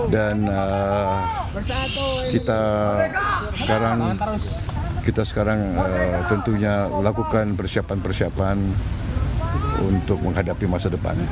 dan kita sekarang tentunya melakukan persiapan persiapan untuk menghadapi masa depan